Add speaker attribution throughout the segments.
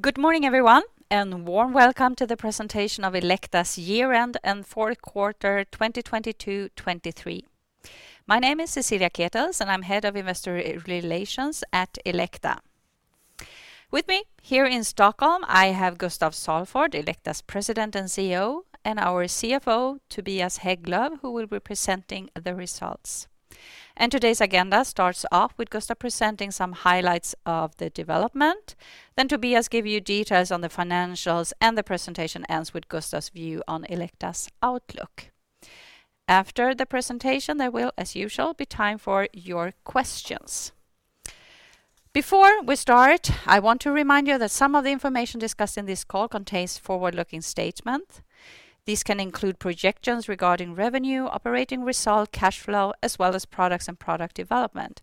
Speaker 1: Good morning, everyone. Warm welcome to the presentation of Elekta's year-end and fourth quarter, 2022/23. My name is Cecilia Ketels. I'm Head of Investor Relations at Elekta. With me, here in Stockholm, I have Gustaf Salford, Elekta's President and CEO. Our CFO, Tobias Hägglöv, will be presenting the results. Today's agenda starts off with Gustaf presenting some highlights of the development. Tobias give you details on the financials. The presentation ends with Gustaf's view on Elekta's outlook. After the presentation, there will, as usual, be time for your questions. Before we start, I want to remind you that some of the information discussed in this call contains forward-looking statement. These can include projections regarding revenue, operating result, cash flow, as well as products and product development.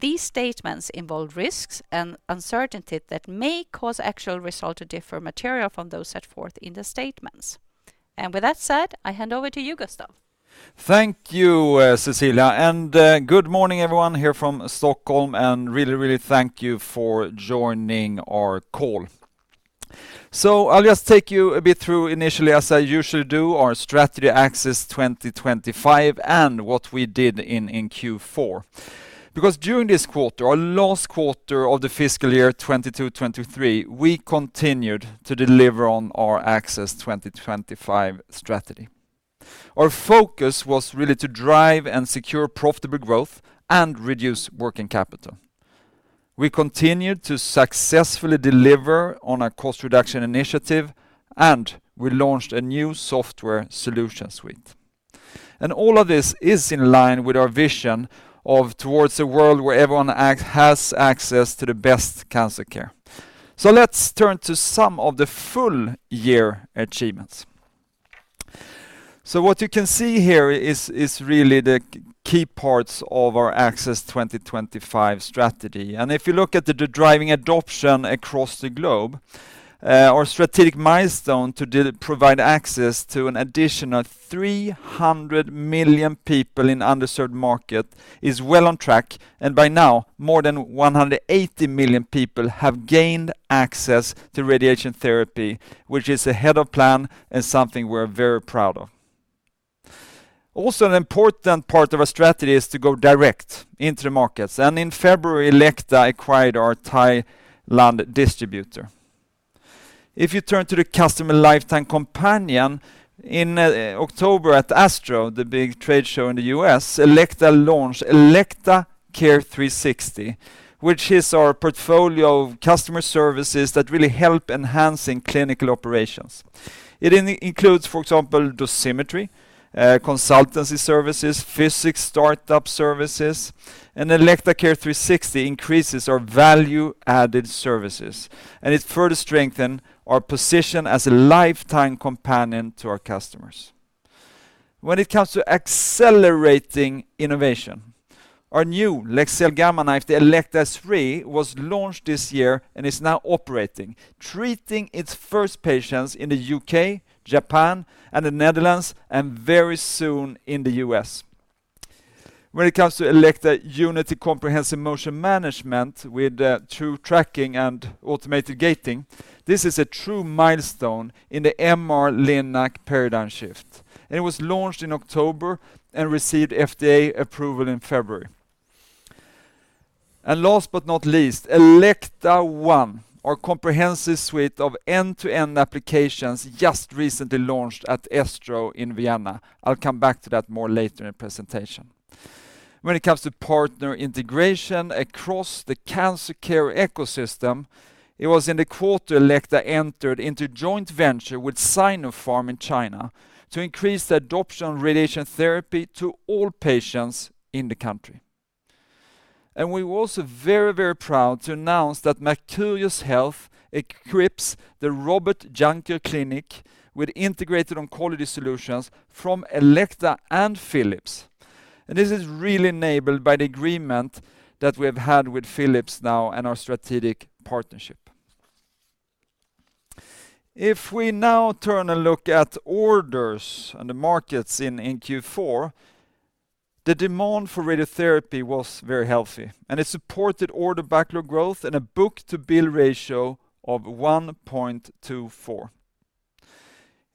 Speaker 1: These statements involve risks and uncertainty that may cause actual results to differ materially from those set forth in the statements. With that said, I hand over to you, Gustaf.
Speaker 2: Thank you, Cecilia, and good morning, everyone, here from Stockholm, and really, really thank you for joining our call. I'll just take you a bit through initially, as I usually do, our strategy Access 2025, and what we did in Q4. During this quarter, our last quarter of the fiscal year 22/23, we continued to deliver on our Access 2025 strategy. Our focus was really to drive and secure profitable growth and reduce working capital. We continued to successfully deliver on our Cost-reduction Initiative, and we launched a new software solution suite. All of this is in line with our vision of towards a world where everyone has access to the best cancer care. Let's turn to some of the full year achievements. What you can see here is really the key parts of our Access 2025 strategy. If you look at the driving adoption across the globe, our strategic milestone to provide access to an additional 300 million people in underserved market, is well on track, and by now, more than 180 million people have gained access to radiation therapy, which is ahead of plan and something we're very proud of. Also, an important part of our strategy is to go direct into the markets, and in February, Elekta acquired our Thailand distributor. If you turn to the customer lifetime companion, in October, at ASTRO, the big trade show in the U.S., Elekta launched Elekta Care 360, which is our portfolio of customer services that really help enhancing clinical operations. It includes, for example, dosimetry, consultancy services, physics start-up services, and Elekta Care 360 increases our value-added services, and it further strengthen our position as a lifetime companion to our customers. When it comes to accelerating innovation, our new Leksell Gamma Knife, the Elekta S3, was launched this year and is now operating, treating its first patients in the U.K., Japan, and the Netherlands, and very soon in the U.S. When it comes to Elekta Unity comprehensive motion management with true tracking and automated gating, this is a true milestone in the MR-Linac paradigm shift. It was launched in October and received FDA approval in February. Last but not least, Elekta ONE, our comprehensive suite of end-to-end applications, just recently launched at ESTRO in Vienna. I'll come back to that more later in the presentation. When it comes to partner integration across the cancer care ecosystem, it was in the quarter Elekta entered into joint venture with Sinopharm in China to increase the adoption of radiation therapy to all patients in the country. We were also very, very proud to announce that Mercurius Health equips the Robert Janker Klinik with integrated oncology solutions from Elekta and Philips. This is really enabled by the agreement that we've had with Philips now and our strategic partnership. If we now turn and look at orders and the markets in Q4, the demand for radiotherapy was very healthy, and it supported order backlog growth and a book-to-bill ratio of 1.24.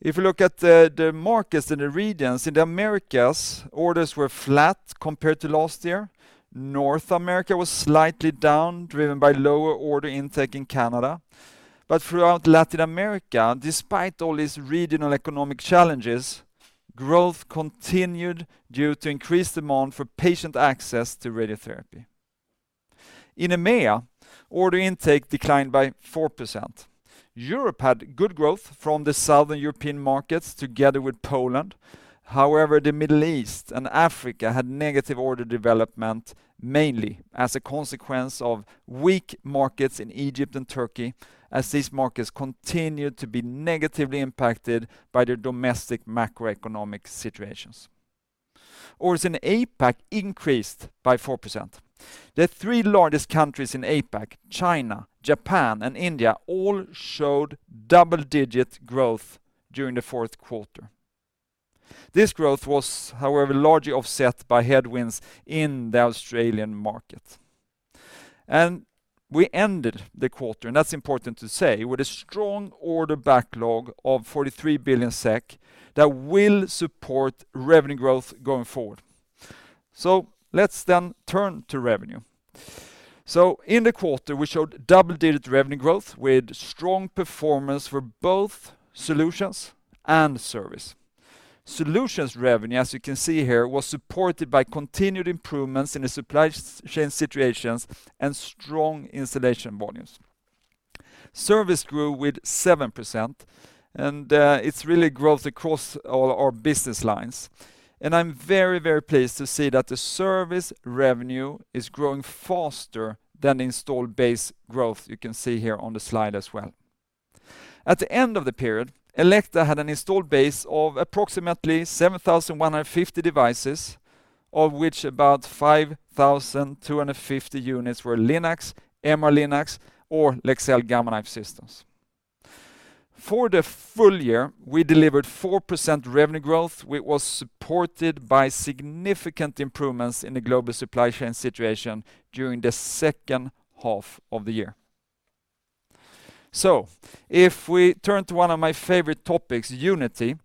Speaker 2: If you look at the markets and the regions, in the Americas, orders were flat compared to last year. North America was slightly down, driven by lower order intake in Canada. Throughout Latin America, despite all these regional economic challenges, growth continued due to increased demand for patient access to radiotherapy. In EMEA, order intake declined by 4%. Europe had good growth from the Southern European markets together with Poland. However, the Middle East and Africa had negative order development, mainly as a consequence of weak markets in Egypt and Turkey, as these markets continued to be negatively impacted by their domestic macroeconomic situations. Orders in APAC increased by 4%. The three largest countries in APAC, China, Japan, and India, all showed double-digit growth during the fourth quarter. This growth was, however, largely offset by headwinds in the Australian market. We ended the quarter, and that's important to say, with a strong order backlog of 43 billion SEK that will support revenue growth going forward. Let's then turn to revenue. In the quarter, we showed double-digit revenue growth with strong performance for both solutions and service. Solutions revenue, as you can see here, was supported by continued improvements in the supply chain situations and strong installation volumes. Service grew with 7%, and it's really growth across all our business lines. I'm very, very pleased to see that the service revenue is growing faster than the installed base growth you can see here on the slide as well. At the end of the period, Elekta had an installed base of approximately 7,150 devices, of which about 5,250 units were Linacs, MR Linacs, or Leksell Gamma Knife systems. For the full year, we delivered 4% revenue growth, which was supported by significant improvements in the global supply chain situation during the second half of the year. If we turn to one of my favorite topics, Unity,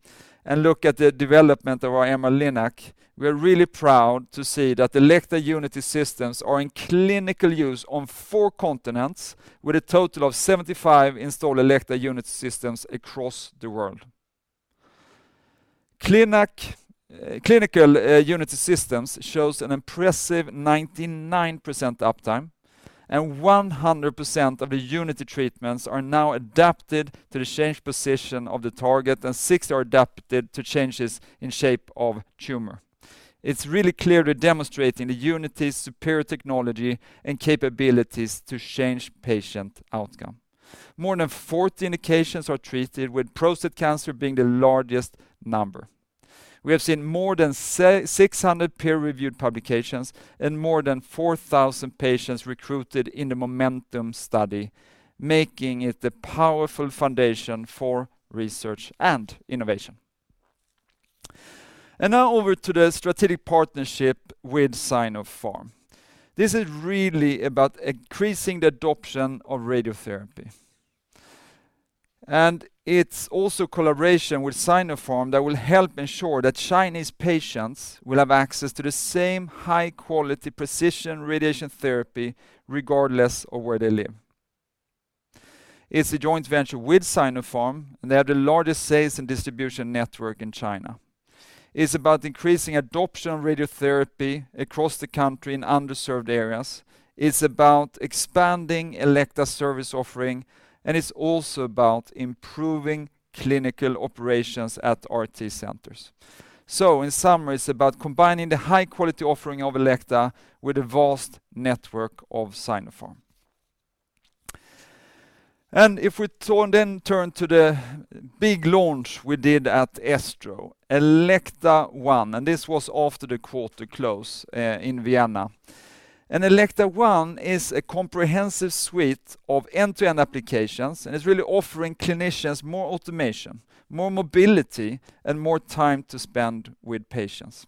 Speaker 2: and look at the development of our MR-Linac, we are really proud to see that Elekta Unity systems are in clinical use on four continents, with a total of 75 installed Elekta Unity systems across the world. Clinical Unity systems shows an impressive 99% uptime, and 100% of the Unity treatments are now adapted to the changed position of the target, and 60 are adapted to changes in shape of tumor. It's really clearly demonstrating the Unity's superior technology and capabilities to change patient outcome. More than 40 indications are treated, with prostate cancer being the largest number. We have seen more than 600 peer-reviewed publications and more than 4,000 patients recruited in the MOMENTUM study, making it the powerful foundation for research and innovation. Now over to the strategic partnership with Sinopharm. This is really about increasing the adoption of radiotherapy, and it's also collaboration with Sinopharm that will help ensure that Chinese patients will have access to the same high-quality, precision radiation therapy, regardless of where they live. It's a joint venture with Sinopharm, they are the largest sales and distribution network in China. It's about increasing adoption of radiotherapy across the country in underserved areas. It's about expanding Elekta service offering, it's also about improving clinical operations at RT centers. In summary, it's about combining the high-quality offering of Elekta with a vast network of Sinopharm. If we turn to the big launch we did at ESTRO, Elekta ONE, and this was after the quarter close in Vienna. Elekta ONE is a comprehensive suite of end-to-end applications, and it's really offering clinicians more automation, more mobility, and more time to spend with patients.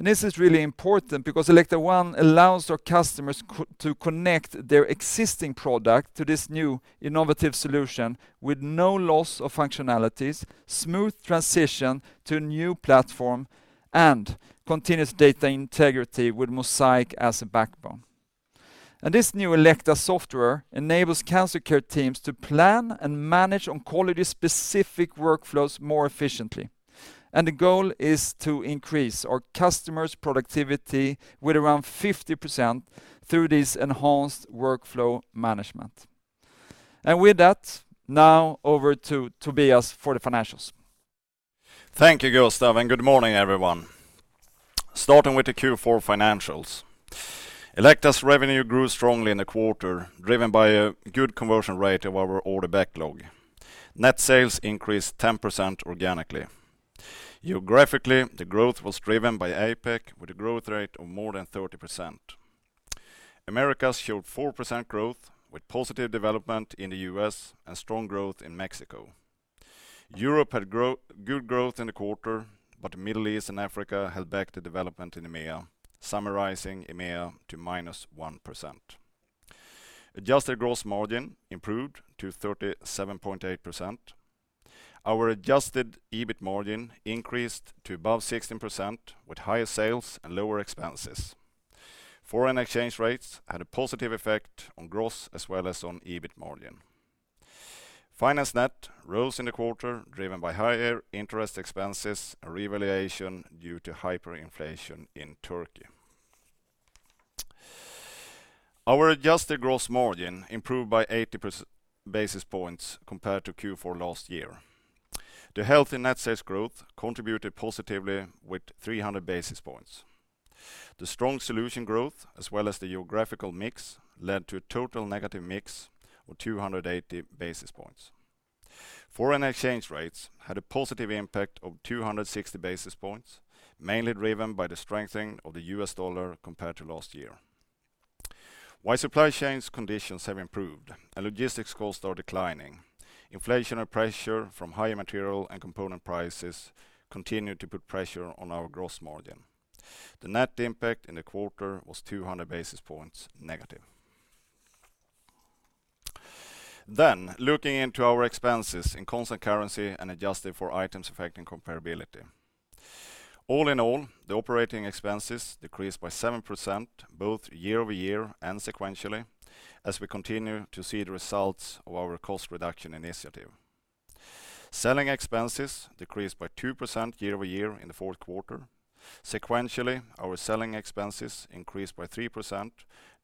Speaker 2: This is really important because Elekta ONE allows our customers to connect their existing product to this new innovative solution with no loss of functionalities, smooth transition to a new platform, and continuous data integrity with MOSAIQ as a backbone. This new Elekta software enables cancer care teams to plan and manage on quality specific workflows more efficiently. The goal is to increase our customers' productivity with around 50% through this enhanced workflow management. With that, now over to Tobias for the financials.
Speaker 3: Thank you, Gustaf, good morning, everyone. Starting with the Q4 financials, Elekta's revenue grew strongly in the quarter, driven by a good conversion rate of our order backlog. Net sales increased 10% organically. Geographically, the growth was driven by APAC, with a growth rate of more than 30%. Americas showed 4% growth, with positive development in the U.S. and strong growth in Mexico. Europe had good growth in the quarter, but the Middle East and Africa held back the development in EMEA, summarizing EMEA to -1%. Adjusted gross margin improved to 37.8%. Our adjusted EBIT margin increased to above 16%, with higher sales and lower expenses. Foreign exchange rates had a positive effect on gross as well as on EBIT margin. Finance net rose in the quarter, driven by higher interest expenses and revaluation due to hyperinflation in Turkey. Our adjusted gross margin improved by 80 basis points compared to Q4 last year. The healthy net sales growth contributed positively with 300 basis points. The strong solution growth, as well as the geographical mix, led to a total negative mix of 280 basis points. Foreign exchange rates had a positive impact of 260 basis points, mainly driven by the strengthening of the US dollar compared to last year. While supply chains conditions have improved and logistics costs are declining, inflationary pressure from higher material and component prices continue to put pressure on our gross margin. The net impact in the quarter was 200 basis points negative. Looking into our expenses in constant currency and adjusted for items affecting comparability. All in all, the operating expenses decreased by 7%, both year-over-year and sequentially, as we continue to see the results of our Cost-reduction Initiative. Selling expenses decreased by 2% year-over-year in the fourth quarter. Sequentially, our selling expenses increased by 3%,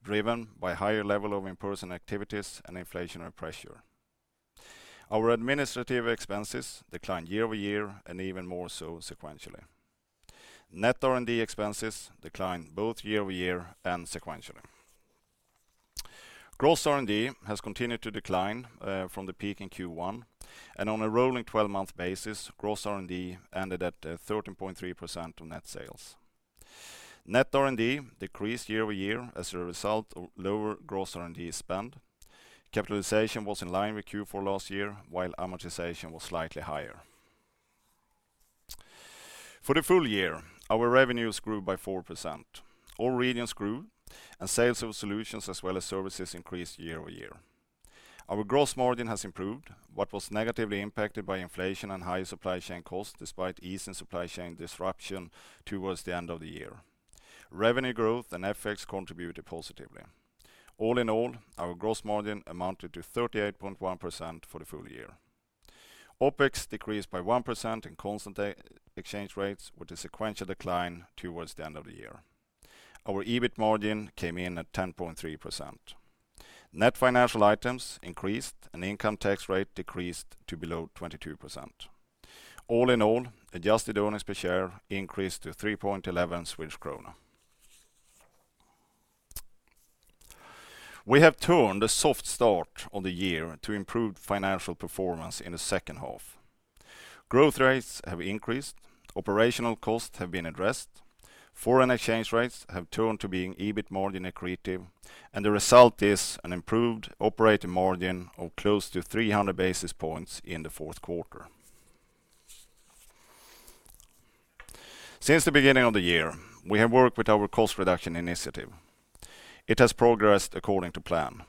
Speaker 3: driven by higher level of in-person activities and inflationary pressure. Our administrative expenses declined year-over-year, and even more so sequentially. Net R&D expenses declined both year-over-year and sequentially. Gross R&D has continued to decline from the peak in Q1, and on a rolling 12-month basis, gross R&D ended at 13.3% of net sales. Net R&D decreased year-over-year as a result of lower gross R&D spend. Capitalization was in line with Q4 last year, while amortization was slightly higher. For the full year, our revenues grew by 4%. All regions grew. Sales of solutions as well as services increased year-over-year. Our gross margin has improved, what was negatively impacted by inflation and higher supply chain costs, despite easing supply chain disruption towards the end of the year. Revenue growth and FX contributed positively. All in all, our gross margin amounted to 38.1% for the full year. OpEx decreased by 1% in constant ex-exchange rates, with a sequential decline towards the end of the year. Our EBIT margin came in at 10.3%. Net financial items increased, and income tax rate decreased to below 22%. All in all, adjusted earnings per share increased to 3.11 Swedish krona. We have turned a soft start on the year to improved financial performance in the second half. Growth rates have increased, operational costs have been addressed, foreign exchange rates have turned to being EBIT margin accretive. The result is an improved operating margin of close to 300 basis points in the fourth quarter. Since the beginning of the year, we have worked with our Cost-reduction Initiative. It has progressed according to plan.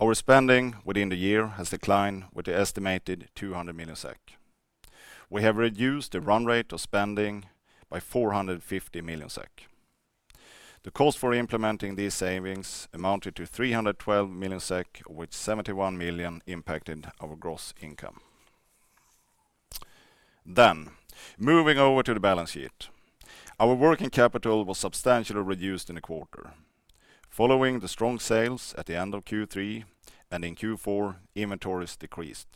Speaker 3: Our spending within the year has declined with the estimated 200 million SEK. We have reduced the run rate of spending by 450 million SEK. The cost for implementing these savings amounted to 312 million SEK, with 71 million impacting our gross income. Moving over to the balance sheet, our working capital was substantially reduced in the quarter. Following the strong sales at the end of Q3 and in Q4, inventories decreased.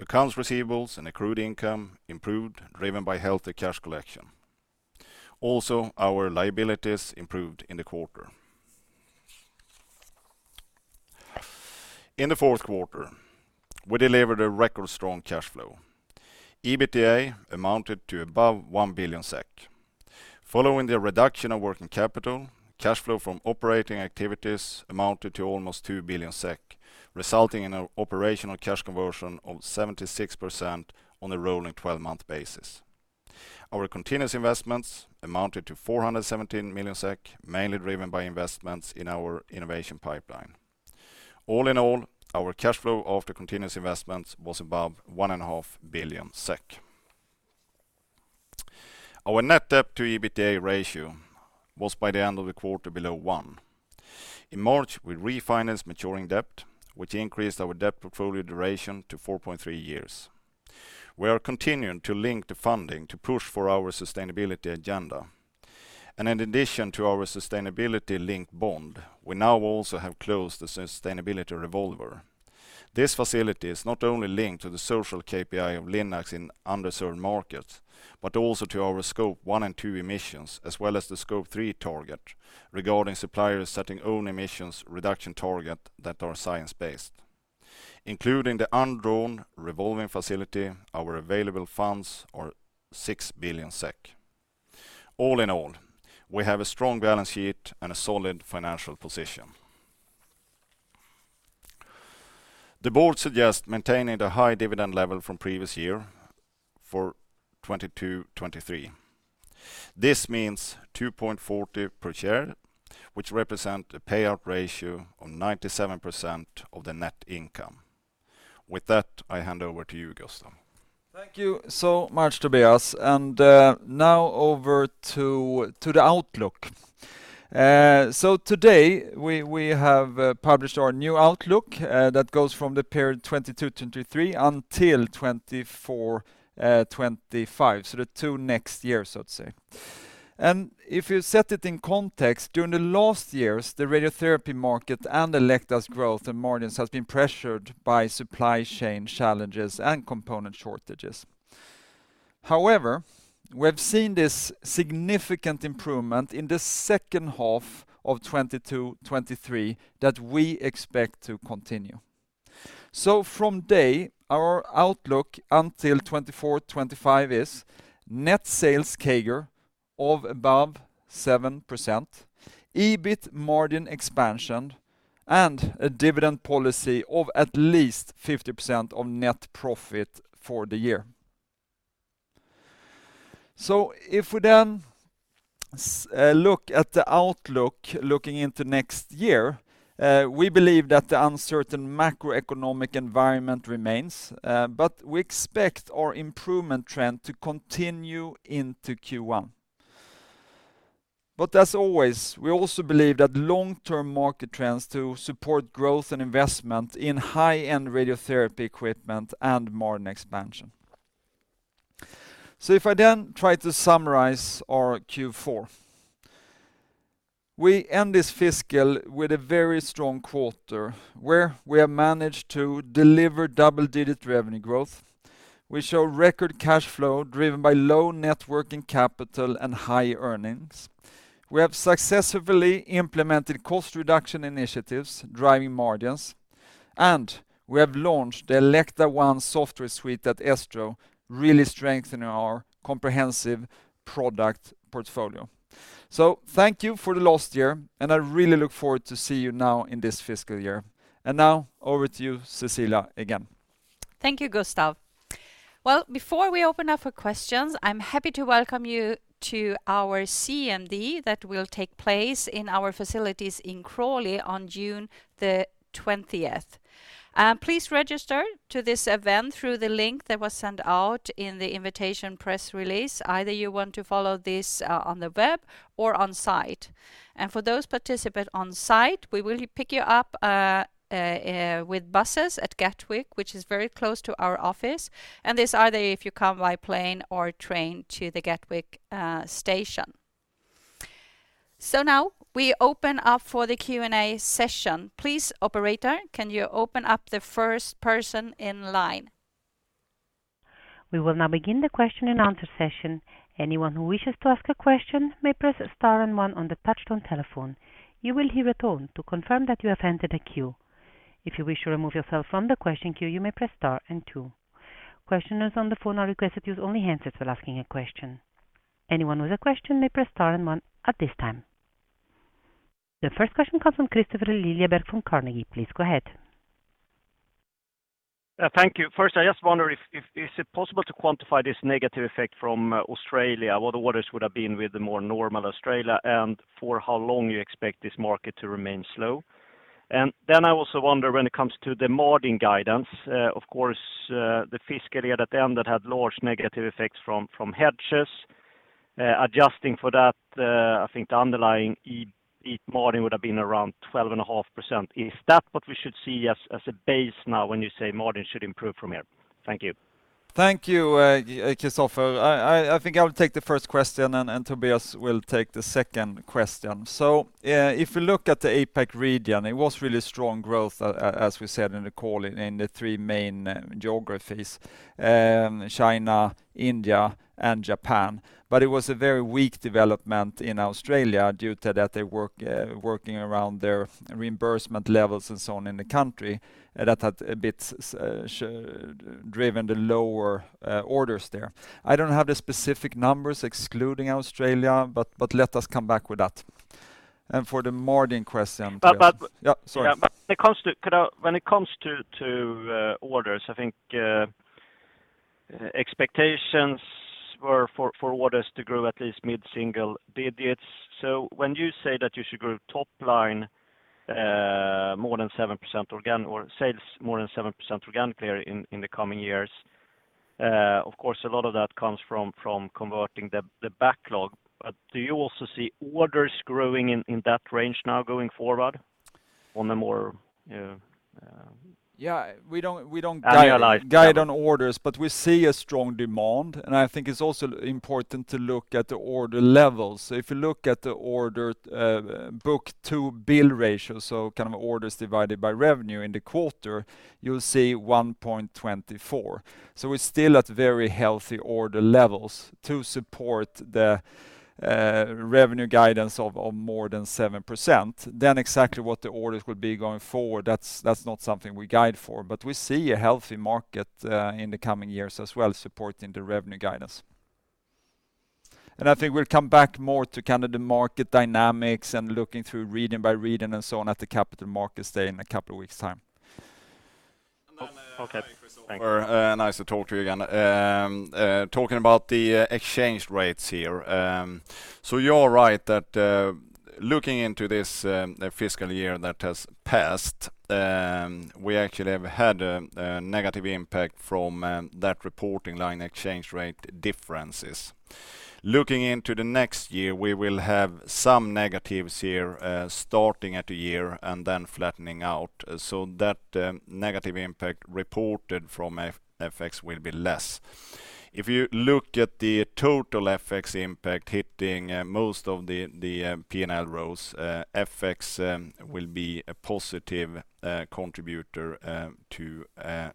Speaker 3: Accounts receivables and accrued income improved, driven by healthy cash collection. Also, our liabilities improved in the quarter. In the fourth quarter, we delivered a record strong cash flow. EBITDA amounted to above 1 billion SEK. Following the reduction of working capital, cash flow from operating activities amounted to almost 2 billion SEK, resulting in an operational cash conversion of 76% on a rolling twelve-month basis. Our continuous investments amounted to 417 million SEK, mainly driven by investments in our innovation pipeline. All in all, our cash flow after continuous investments was above one and a half billion SEK. Our Net Debt to EBITDA ratio was, by the end of the quarter, below 1. In March, we refinanced maturing debt, which increased our debt portfolio duration to 4.3 years. We are continuing to link the funding to push for our sustainability agenda. In addition to our sustainability-linked bond, we now also have closed the sustainability-linked revolver. This facility is not only linked to the social KPI of Linacs in underserved markets, but also to our Scope 1 and 2 emissions, as well as the Scope 3 target, regarding suppliers setting own emissions reduction target that are science-based. Including the undrawn revolving facility, our available funds are 6 billion SEK. All in all, we have a strong balance sheet and a solid financial position. The board suggests maintaining the high dividend level from previous year for 2022, 2023. This means 2.40 per share, which represent a payout ratio of 97% of the net income. With that, I hand over to you, Gustaf.
Speaker 2: Thank you so much, Tobias, now over to the outlook. Today, we have published our new outlook that goes from the period 2022, 2023 until 2024, 2025, so the 2 next years, I'd say. If you set it in context, during the last years, the radiotherapy market and Elekta's growth and margins has been pressured by supply chain challenges and component shortages. However, we have seen this significant improvement in the second half of 2022, 2023 that we expect to continue. From day, our outlook until 2024, 2025 is, net sales CAGR of above 7%, EBIT margin expansion, and a dividend policy of at least 50% of net profit for the year. If we look at the outlook, looking into next year, we believe that the uncertain macroeconomic environment remains, but we expect our improvement trend to continue into Q1. As always, we also believe that long-term market trends to support growth and investment in high-end radiotherapy equipment and margin expansion. If I try to summarize our Q4, we end this fiscal with a very strong quarter, where we have managed to deliver double-digit revenue growth. We show record cash flow, driven by low net working capital and high earnings. We have successfully implemented cost reduction initiatives, driving margins, and we have launched the Elekta ONE software suite at ESTRO, really strengthening our comprehensive product portfolio. Thank you for the last year, and I really look forward to see you now in this fiscal year. Now, over to you, Cecilia, again.
Speaker 1: Thank you, Gustaf. Before we open up for questions, I'm happy to welcome you to our CMD that will take place in our facilities in Crawley on June 20th. Please register to this event through the link that was sent out in the invitation press release, either you want to follow this on the web or on site. For those participant on site, we will pick you up with buses at Gatwick, which is very close to our office, and this either if you come by plane or train to the Gatwick station. Now we open up for the Q&A session. Please, operator, can you open up the first person in line?
Speaker 4: We will now begin the question and answer session. Anyone who wishes to ask a question may press star and one on the touchtone telephone. You will hear a tone to confirm that you have entered a queue. If you wish to remove yourself from the question queue, you may press star and two. Questioners on the phone are requested to use only hands-offs while asking a question. Anyone with a question may press star and one at this time. The first question comes from Kristofer Liljeberg from Carnegie. Please go ahead.
Speaker 5: Thank you. First, I just wonder if it possible to quantify this negative effect from Australia, what the orders would have been with the more normal Australia, and for how long you expect this market to remain slow? I also wonder when it comes to the margin guidance, of course, the fiscal year at the end that had large negative effects from hedges. Adjusting for that, I think the underlying EBIT margin would have been around 12.5%. Is that what we should see as a base now when you say margin should improve from here? Thank you.
Speaker 2: Thank you, Kristofer. I think I will take the first question, and Tobias will take the second question. If you look at the APAC region, it was really strong growth, as we said in the call, in the three main geographies, China, India, and Japan. It was a very weak development in Australia due to that they working around their reimbursement levels and so on in the country, and that had a bit driven the lower orders there. I don't have the specific numbers excluding Australia, but let us come back with that. For the margin question-
Speaker 5: But, but-
Speaker 2: Yeah, sorry.
Speaker 5: When it comes to orders, I think expectations were for orders to grow at least mid-single digits. When you say that you should grow top line more than 7% organic, or sales more than 7% organically in the coming years, of course, a lot of that comes from converting the backlog. Do you also see orders growing in that range now going forward on a more?
Speaker 2: Yeah, we don't.
Speaker 5: Annualize...
Speaker 2: guide on orders. We see a strong demand, and I think it's also important to look at the order levels. If you look at the order book-to-bill ratio, kind of orders divided by revenue in the quarter, you'll see 1.24. We're still at very healthy order levels to support the revenue guidance of more than 7%. Exactly what the orders will be going forward, that's not something we guide for. We see a healthy market in the coming years as well, supporting the revenue guidance. I think we'll come back more to kind of the market dynamics and looking through region by region and so on at the Capital Markets Day in a couple of weeks' time.
Speaker 5: Okay. Thank you.
Speaker 3: Nice to talk to you again. Talking about the exchange rates here. You're right that looking into this fiscal year that has passed, we actually have had a negative impact from that reporting line exchange rate differences. Looking into the next year, we will have some negatives here, starting at the year and then flattening out, so that negative impact reported from FX will be less. If you look at the total FX impact hitting most of the P&L rows, FX will be a positive contributor to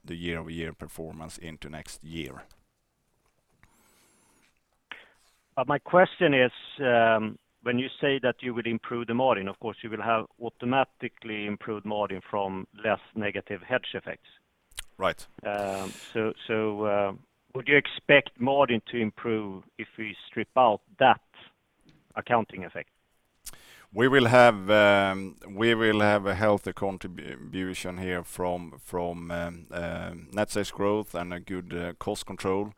Speaker 3: the year-over-year performance into next year.
Speaker 5: My question is, when you say that you would improve the margin, of course, you will have automatically improved margin from less negative hedge effects.
Speaker 3: Right.
Speaker 5: Would you expect margin to improve if we strip out that accounting effect?
Speaker 3: We will have a healthy contribution here from net sales growth and a good cost control.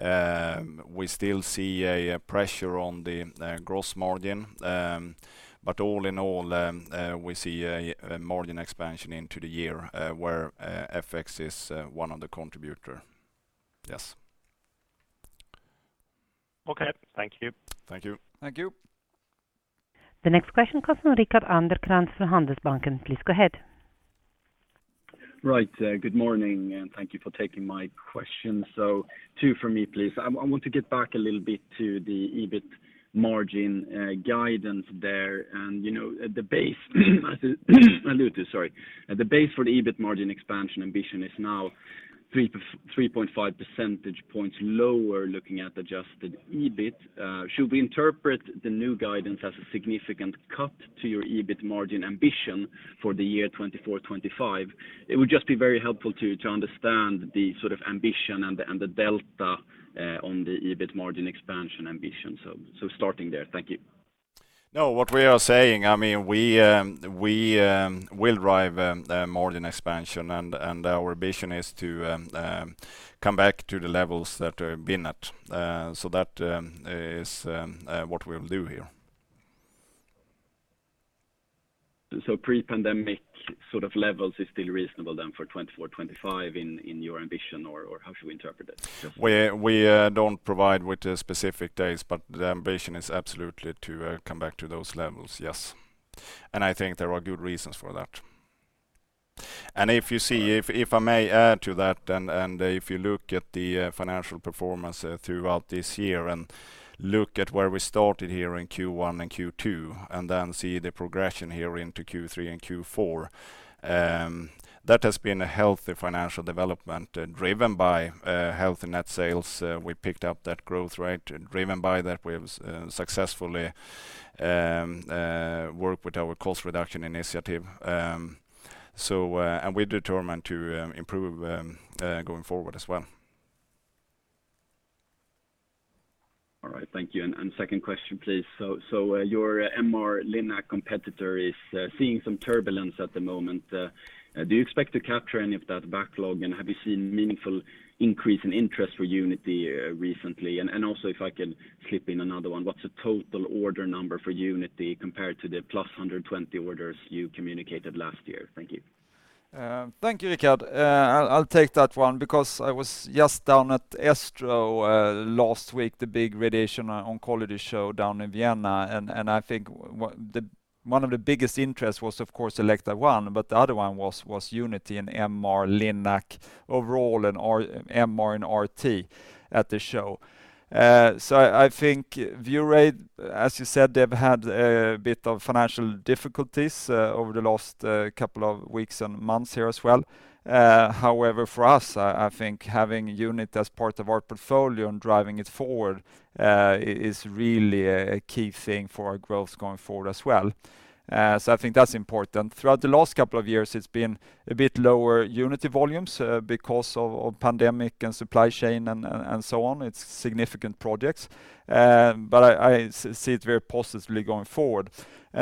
Speaker 3: We still see a pressure on the gross margin. All in all, we see a margin expansion into the year, where FX is one of the contributor. Yes.
Speaker 5: Okay. Thank you.
Speaker 3: Thank you.
Speaker 2: Thank you.
Speaker 4: The next question comes from Rickard Anderkrans from Handelsbanken. Please go ahead.
Speaker 6: Right. Good morning, and thank you for taking my question. Two for me, please. I want to get back a little bit to the EBIT margin guidance there. You know, at the base, I do, sorry. At the base for the EBIT margin expansion ambition is now 3.5 percentage points lower, looking at adjusted EBIT. Should we interpret the new guidance as a significant cut to your EBIT margin ambition for the year 2024-2025? It would just be very helpful to understand the sort of ambition and the delta on the EBIT margin expansion ambition. Starting there. Thank you.
Speaker 3: What we are saying, I mean, we will drive a margin expansion, and our ambition is to come back to the levels that we've been at. That is what we'll do here.
Speaker 6: Pre-pandemic sort of levels is still reasonable then for 2024, 2025 in your ambition, or how should we interpret it?
Speaker 3: We don't provide with the specific dates, but the ambition is absolutely to come back to those levels. Yes. I think there are good reasons for that. If you see... If I may add to that, and if you look at the financial performance throughout this year, and look at where we started here in Q1 and Q2, and then see the progression here into Q3 and Q4, that has been a healthy financial development, driven by healthy net sales. We picked up that growth rate, driven by that we've successfully worked with our Cost-reduction Initiative. We're determined to improve going forward as well.
Speaker 6: All right. Thank you. Second question, please. Your MR-Linac competitor is seeing some turbulence at the moment. Do you expect to capture any of that backlog? Have you seen meaningful increase in interest for Unity recently? Also, if I can slip in another one, what's the total order number for Unity compared to the +120 orders you communicated last year? Thank you.
Speaker 2: Thank you, Rickard. I'll take that one because I was just down at ESTRO last week, the big radiation oncology show down in Vienna. I think one of the biggest interests was, of course, Elekta ONE, but the other one was Unity and MR-Linac overall, and MR and RT at the show. I think ViewRay, as you said, they've had a bit of financial difficulties over the last couple of weeks and months here as well. However, for us, I think having Unity as part of our portfolio and driving it forward, is really a key thing for our growth going forward as well. I think that's important. Throughout the last couple of years, it's been a bit lower Unity volumes, because of pandemic and supply chain and so on. It's significant projects, I see it very positively going forward.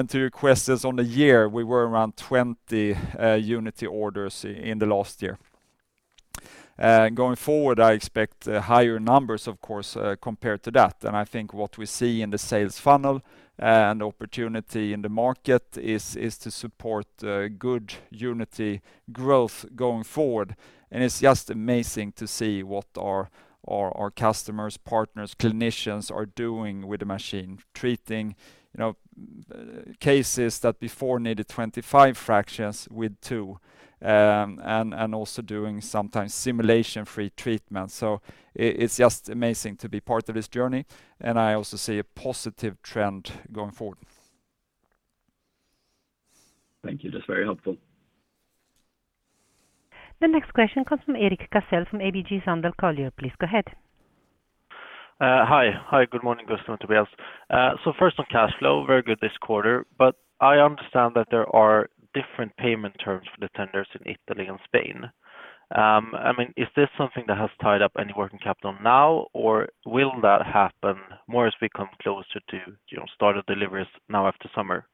Speaker 2: To your questions, on the year, we were around 20 Unity orders in the last year. Going forward, I expect higher numbers, of course, compared to that. I think what we see in the sales funnel and opportunity in the market is to support good Unity growth going forward. It's just amazing to see what our customers, partners, clinicians are doing with the machine. Treating, you know, cases that before needed 25 fractions with 2, and also doing sometimes simulation-free treatment. It's just amazing to be part of this journey, and I also see a positive trend going forward.
Speaker 6: Thank you. That's very helpful.
Speaker 4: The next question comes from Erik Cassel, from ABG Sundal Collier. Please go ahead.
Speaker 7: Hi, good morning. Welcome to Bels. First on cash flow, very good this quarter, I understand that there are different payment terms for the tenders in Italy and Spain. I mean, is this something that has tied up any working capital now, or will that happen more as we come closer to, you know, start of deliveries now after summer?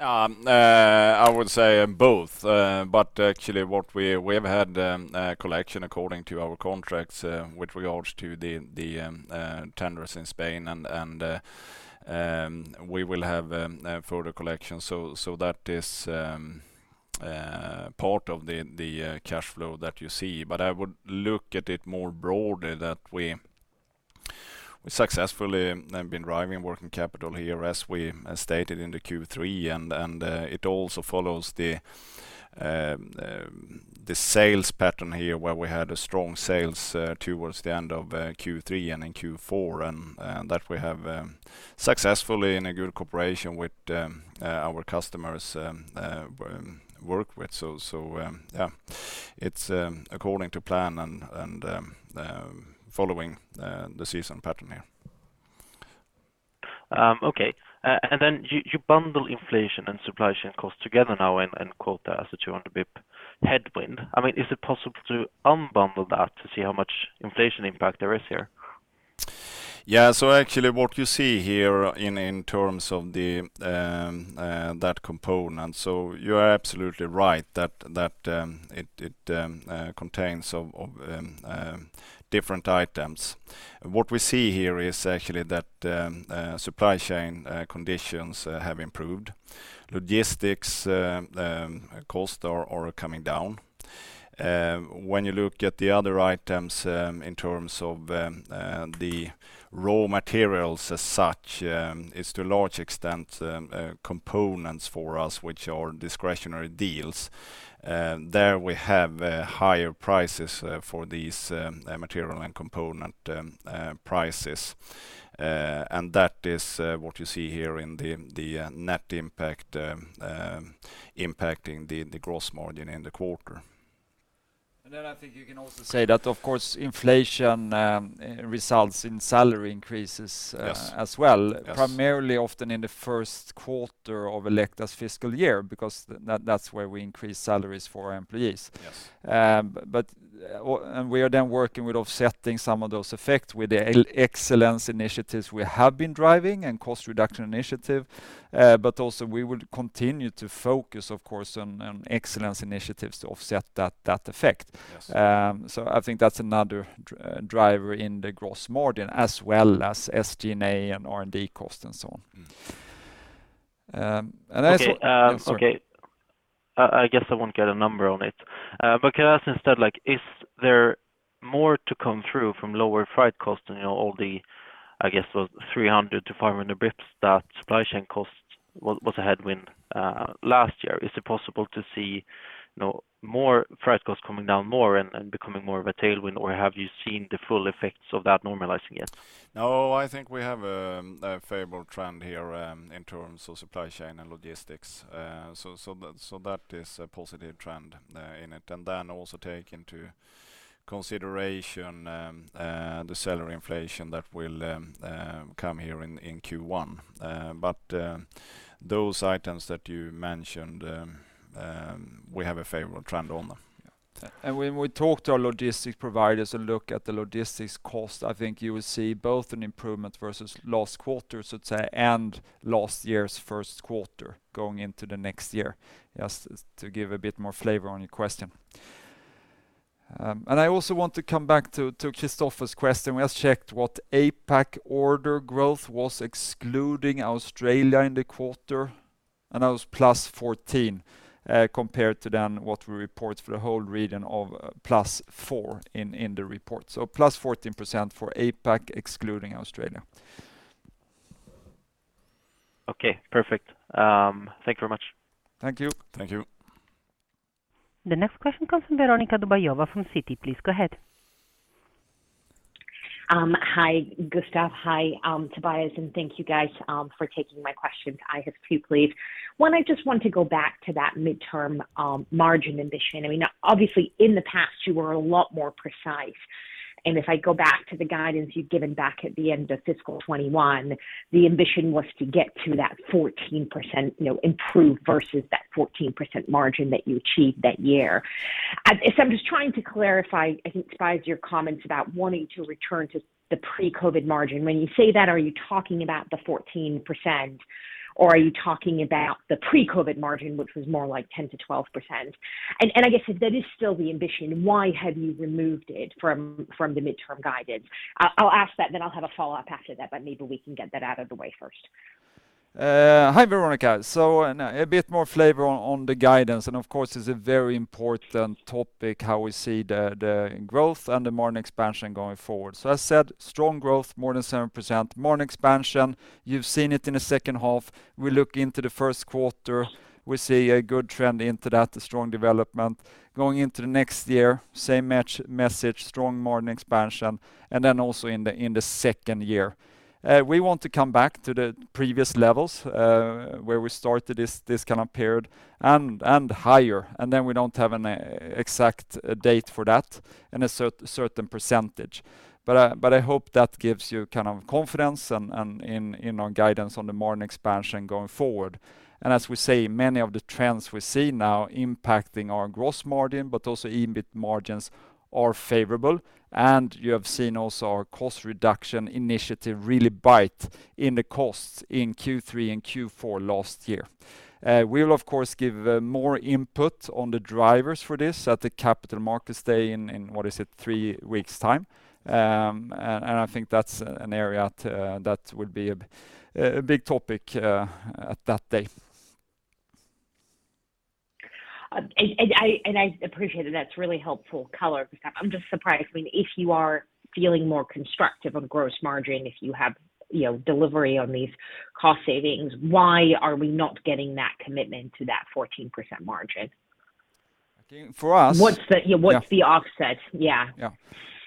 Speaker 3: I would say both. Actually what we have had a collection according to our contracts with regards to the tenders in Spain and we will have further collection. That is part of the cash flow that you see. I would look at it more broadly that we successfully have been driving working capital here, as we stated in the Q3. It also follows the sales pattern here, where we had a strong sales towards the end of Q3 and in Q4, and that we have successfully in a good cooperation with our customers work with. Yeah, it's according to plan and following the season pattern here.
Speaker 7: Okay. You bundle inflation and supply chain costs together now and quote that as a 200 basis points headwind. I mean, is it possible to unbundle that to see how much inflation impact there is here?
Speaker 3: Yeah. Actually what you see here in terms of the that component, you are absolutely right that it contains of different items. What we see here is actually that supply chain conditions have improved. Logistics cost are coming down. When you look at the other items in terms of the raw materials as such, is to a large extent components for us, which are discretionary deals. There we have higher prices for these material and component prices. That is what you see here in the net impact impacting the gross margin in the quarter.
Speaker 2: I think you can also say that, of course, inflation, results in salary increases.
Speaker 3: Yes
Speaker 2: as well.
Speaker 3: Yes.
Speaker 2: Primarily, often in the first quarter of Elekta's fiscal year, because that's where we increase salaries for our employees.
Speaker 3: Yes.
Speaker 2: We are then working with offsetting some of those effects with the excellence initiatives we have been driving and Cost-reduction Initiative. Also we will continue to focus, of course, on excellence initiatives to offset that effect.
Speaker 3: Yes.
Speaker 2: I think that's another driver in the gross margin, as well as SG&A and R&D cost and so on.
Speaker 3: Mm.
Speaker 2: Um, and as-
Speaker 7: Okay.
Speaker 2: Yes, sir.
Speaker 7: Okay. I guess I won't get a number on it. Can I ask instead, like, is there more to come through from lower freight cost and, you know, all the, I guess, those 300-400 BIPS that supply chain cost was a headwind last year? Is it possible to see, you know, more freight costs coming down more and becoming more of a tailwind, or have you seen the full effects of that normalizing yet?
Speaker 3: I think we have a favorable trend here in terms of supply chain and logistics. That is a positive trend in it. Also take into consideration the salary inflation that will come here in Q1. Those items that you mentioned, we have a favorable trend on them.
Speaker 2: When we talk to our logistics providers and look at the logistics cost, I think you will see both an improvement versus last quarter, so to say, and last year's 1st quarter, going into the next year. Just to give a bit more flavor on your question. I also want to come back to Kristofer's question. We just checked what APAC order growth was, excluding Australia in the quarter, and that was +14, compared to then what we report for the whole region of +4 in the report. +14% for APAC, excluding Australia.
Speaker 7: Okay, perfect. Thank you very much.
Speaker 2: Thank you.
Speaker 3: Thank you.
Speaker 4: The next question comes from Veronika Dubajova from Citi. Please go ahead.
Speaker 8: Hi, Gustaf. Hi, Tobias, thank you, guys, for taking my questions. I have two, please. One, I just want to go back to that midterm margin ambition. I mean, obviously, in the past, you were a lot more precise, and if I go back to the guidance you'd given back at the end of fiscal 2021, the ambition was to get to that 14%, you know, improve versus that 14% margin that you achieved that year. I'm just trying to clarify, I think, Tobias, your comments about wanting to return to the pre-COVID margin. When you say that, are you talking about the 14%, or are you talking about the pre-COVID margin, which was more like 10%-12%? I guess if that is still the ambition, why have you removed it from the midterm guidance? I'll ask that, then I'll have a follow-up after that. Maybe we can get that out of the way first.
Speaker 2: Hi, Veronica. A bit more flavor on the guidance, and of course, it's a very important topic, how we see the growth and the margin expansion going forward. As said, strong growth, more than 7%. Margin expansion, you've seen it in the second half. We look into the first quarter, we see a good trend into that, a strong development. Going into the next year, same message, strong margin expansion, and then also in the, in the second year. We want to come back to the previous levels, where we started this kind of period, and higher, and then we don't have an exact date for that, and a certain percentage. I hope that gives you kind of confidence and in our guidance on the margin expansion going forward. As we say, many of the trends we see now impacting our gross margin, but also EBIT margins are favorable. You have seen also our Cost-reduction Initiative really bite in the costs in Q3 and Q4 last year. We will of course, give more input on the drivers for this at the Capital Markets Day in, what is it? three weeks time. I think that's an area to. That would be a big topic at that day.
Speaker 8: I appreciate it. That's really helpful color, because I'm just surprised. I mean, if you are feeling more constructive on gross margin, if you have, you know, delivery on these cost savings, why are we not getting that commitment to that 14% margin?
Speaker 2: For us
Speaker 8: What's the, yeah, what's the offset? Yeah.
Speaker 2: Yeah.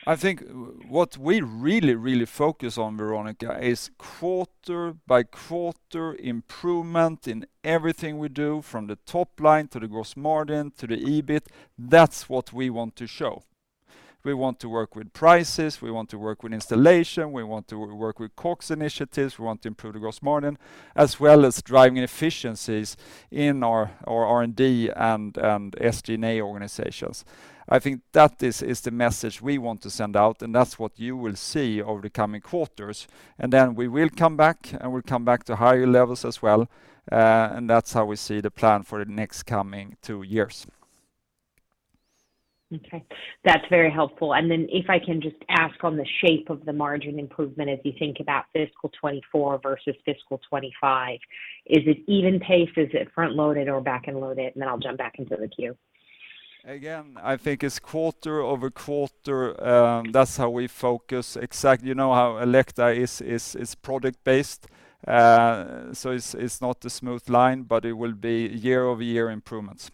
Speaker 2: I think what we really, really focus on, Veronika, is quarter by quarter improvement in everything we do, from the top line to the gross margin to the EBIT. That's what we want to show. We want to work with prices, we want to work with installation, we want to work with Cost-reduction Initiative, we want to improve the gross margin, as well as driving efficiencies in our R&D and SG&A organizations. I think that is the message we want to send out, and that's what you will see over the coming quarters. Then we will come back, and we'll come back to higher levels as well. That's how we see the plan for the next coming two years.
Speaker 8: Okay. That's very helpful. If I can just ask on the shape of the margin improvement as you think about fiscal 2024 versus fiscal 2025. Is it even paced? Is it front-loaded or back-ended loaded? I'll jump back into the queue.
Speaker 2: Again, I think it's quarter-over-quarter, that's how we focus. You know how Elekta is product-based, so it's not a smooth line, but it will be year-over-year improvements.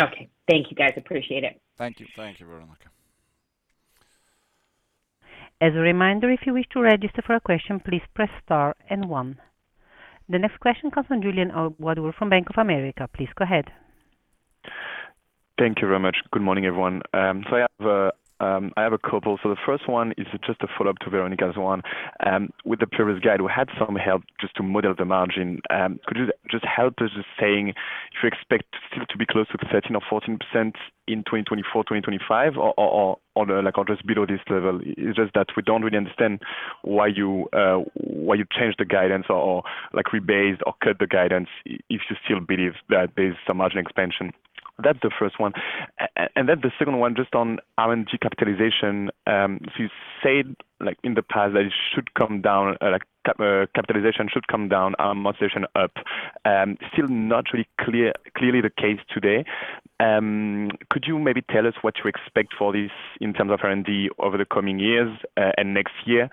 Speaker 8: Okay. Thank you, guys. Appreciate it.
Speaker 2: Thank you.
Speaker 3: Thank you, Veronika.
Speaker 4: As a reminder, if you wish to register for a question, please press star 1. The next question comes from Julien Ouaddour from Bank of America. Please go ahead.
Speaker 9: Thank you very much. Good morning, everyone. I have a couple. The first one is just a follow-up to Veronica's one. With the previous guide, we had some help just to model the margin. Could you just help us with saying if you expect still to be close to 13% or 14% in 2024, 2025, or just below this level? It's just that we don't really understand why you changed the guidance or rebase or cut the guidance, if you still believe that there's some margin expansion. That's the first one. And then the second one, just on R&D capitalization. You said, in the past, that it should come down, capitalization should come down, amortization up. Still not really clear, clearly the case today. Could you maybe tell us what you expect for this in terms of R&D over the coming years and next year?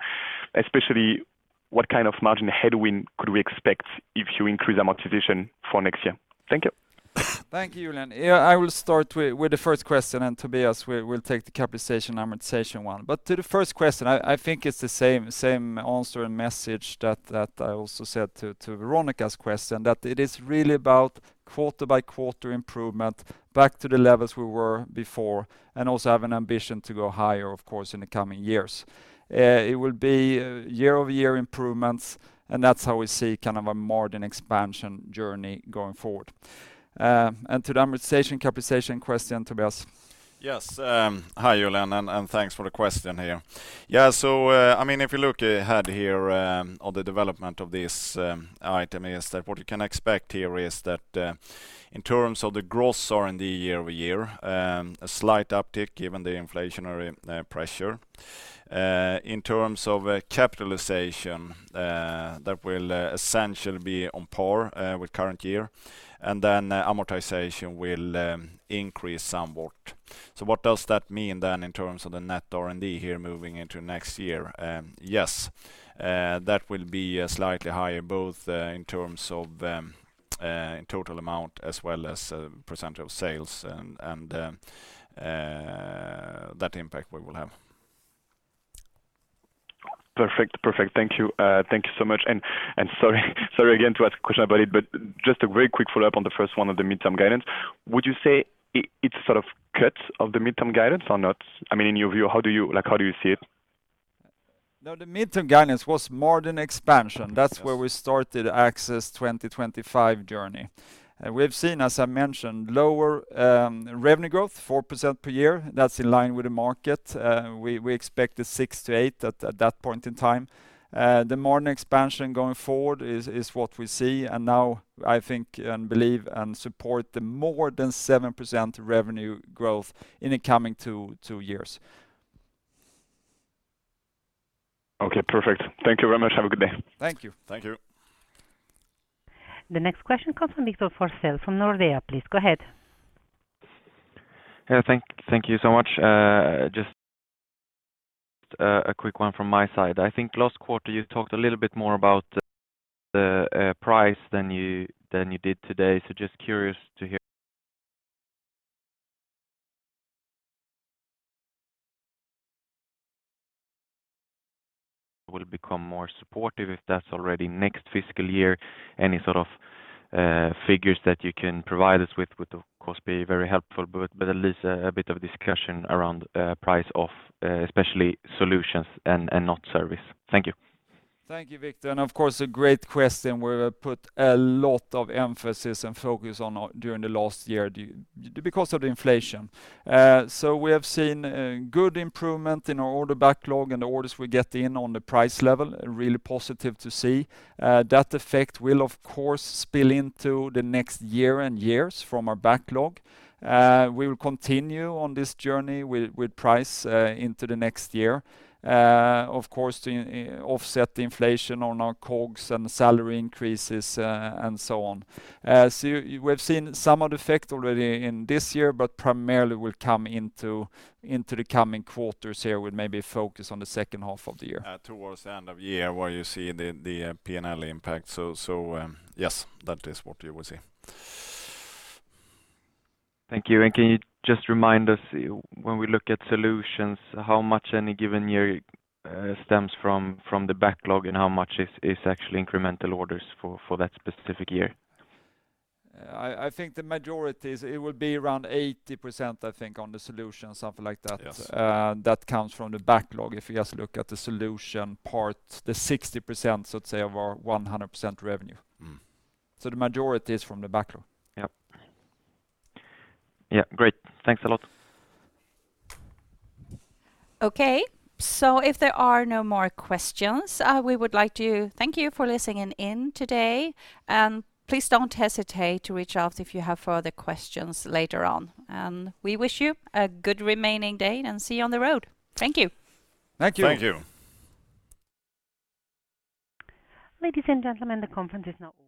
Speaker 9: Especially, what kind of margin headwind could we expect if you increase amortization for next year? Thank you.
Speaker 2: Thank you, Julien. Yeah, I will start with the first question, and Tobias will take the capitalization, amortization one. To the first question, I think it's the same answer and message that I also said to Veronika's question, that it is really about quarter by quarter improvement, back to the levels we were before, and also have an ambition to go higher, of course, in the coming years. It will be year-over-year improvements, and that's how we see kind of a margin expansion journey going forward. To the amortization, capitalization question, Tobias.
Speaker 3: Hi, Julien, and thanks for the question here. I mean, if you look ahead here on the development of this item, is that what you can expect here is that in terms of the gross R&D year-over-year, a slight uptick, given the inflationary pressure. In terms of capitalization, that will essentially be on par with current year, and then amortization will increase somewhat. What does that mean then, in terms of the net R&D here moving into next year? That will be slightly higher, both in terms of in total amount, as well as a % of sales, and that impact we will have.
Speaker 9: Perfect. Perfect. Thank you. Thank you so much. Sorry again to ask a question about it, but just a very quick follow-up on the first one on the midterm guidance. Would you say it's sort of cut of the midterm guidance or not? I mean, in your view, how do you, like, how do you see it?
Speaker 2: No, the midterm guidance was more than expansion.
Speaker 9: Okay, yes.
Speaker 2: That's where we started Access 2025 journey. We've seen, as I mentioned, lower revenue growth, 4% per year. That's in line with the market. We expected 6%-8% at that point in time. The margin expansion going forward is what we see. Now, I think and believe and support the more than 7% revenue growth in the coming 2 years.
Speaker 9: Okay, perfect. Thank you very much. Have a good day.
Speaker 2: Thank you.
Speaker 3: Thank you.
Speaker 4: The next question comes from Victor Forssell, from Nordea. Please go ahead.
Speaker 10: Yeah. Thank you so much. just a quick one from my side. I think last quarter you talked a little bit more about the price than you, than you did today. just curious to hear. Will become more supportive if that's already next fiscal year. Any sort of figures that you can provide us with would, of course, be very helpful. At least a bit of discussion around price of especially solutions and not service. Thank you.
Speaker 2: Thank you, Victor. Of course, a great question. We've put a lot of emphasis and focus on during the last year because of the inflation. We have seen good improvement in our order backlog and the orders we get in on the price level, really positive to see. That effect will, of course, spill into the next year and years from our backlog. We will continue on this journey with price, into the next year. Of course, to offset the inflation on our COGS and salary increases, and so on. We've seen some of the effect already in this year, but primarily will come into the coming quarters here, with maybe a focus on the second half of the year.
Speaker 3: Towards the end of the year, where you see the P&L impact. Yes, that is what you will see.
Speaker 10: Thank you. Can you just remind us, when we look at solutions, how much any given year stems from the backlog, and how much is actually incremental orders for that specific year?
Speaker 2: I think the majority would be around 80%, I think, on the solution, something like that.
Speaker 3: Yes.
Speaker 2: That comes from the backlog. If you just look at the solution part, the 60%, let's say, of our 100% revenue.
Speaker 10: Mm-hmm.
Speaker 2: The majority is from the backlog.
Speaker 10: Yep. Yeah, great. Thanks a lot.
Speaker 1: Okay. If there are no more questions, we would like to thank you for listening in today. Please don't hesitate to reach out if you have further questions later on. We wish you a good remaining day, and see you on the road. Thank you.
Speaker 2: Thank you.
Speaker 3: Thank you.
Speaker 4: Ladies and gentlemen, the conference is now over. Thank you.